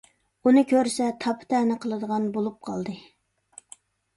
ئۇنى كۆرسە تاپا - تەنە قىلىدىغان بولۇپ قالدى.